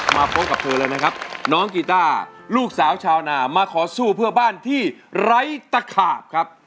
มาพบกับเธอเลยนะครับน้องกีต้าลูกสาวชาวนามาขอสู้เพื่อบ้านที่ไร้ตะขาบครับ